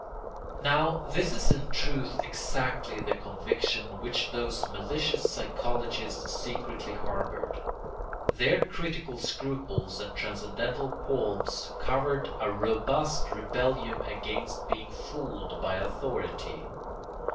] Now this is in truth exactly the conviction which those malicious psychologists secretly harboured. Their critical scruples and transcendental qualms covered a robust rebellion against being fooled by authority.